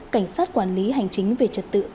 cảnh sát quản lý hành chính về trật tự